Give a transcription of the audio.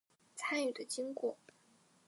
参与的经过